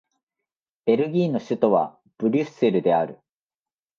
ベルギーの首都はブリュッセルである